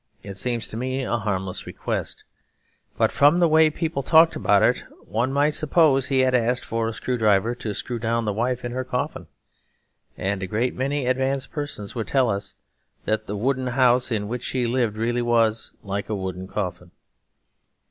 It seems to me a harmless request, but from the way people talked about it one might suppose he had asked for a screw driver to screw down the wife in her coffin. And a great many advanced persons would tell us that wooden house in which she lived really was like a wooden coffin.